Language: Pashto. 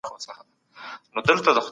فلسفه د مدرسو دننه لوستل کيده.